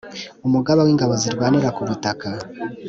umugaba w’ingabo zirwanira ku butaka